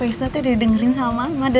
voice toto udah dengerin sama mama